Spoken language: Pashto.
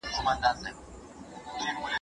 د طلاق اکثره خطرونه نارينه ته متوجه دي.